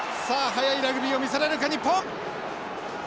速いラグビーを見せられるか日本！